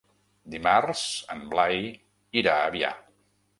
Dimarts en Blai irà a Avià.